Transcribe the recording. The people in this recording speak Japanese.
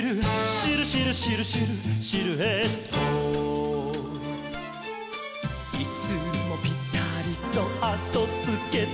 「シルシルシルシルシルエット」「いつもぴたりとあとつけてくる」